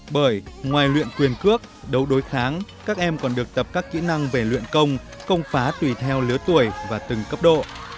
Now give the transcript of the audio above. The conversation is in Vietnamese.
bởi ngoài luyện quyền cướp đấu đối kháng các em còn được tập các kỹ năng về luyện công công phá tùy theo lứa tuổi và từng cấp độ